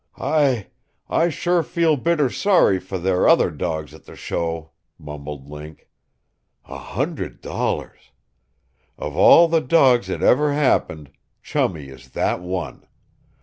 "I I sure feel bitter sorry for there other dawgs at the show!" mumbled Link. "A hundred dollars! Of all the dawgs that ever happened, Chummie is that one!